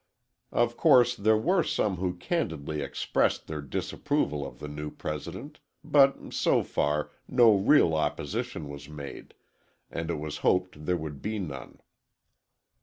Of course, there were some who candidly expressed their disapproval of the new president, but, so far, no real opposition was made, and it was hoped there would be none.